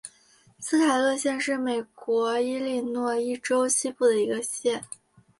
斯凯勒县是美国伊利诺伊州西部的一个县。